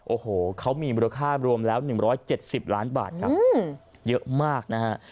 โอ้โหเขามีมูลค่ารวมแล้วหนึ่งร้อยเจ็ดสิบล้านบาทครับเยอะมากนะฮะ